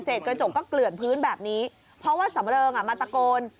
กระจกก็เกลื่อนพื้นแบบนี้เพราะว่าสำเริงอ่ะมาตะโกน